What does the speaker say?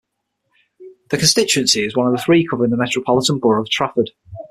The constituency is one of three covering the Metropolitan Borough of Trafford.